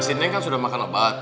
si neng kan sudah makan abad